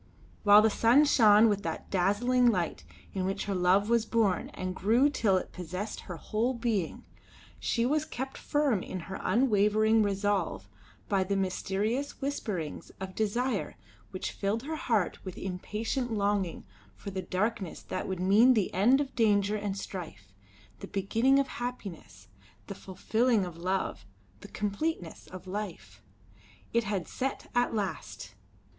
While the sun shone with that dazzling light in which her love was born and grew till it possessed her whole being, she was kept firm in her unwavering resolve by the mysterious whisperings of desire which filled her heart with impatient longing for the darkness that would mean the end of danger and strife, the beginning of happiness, the fulfilling of love, the completeness of life. It had set at last!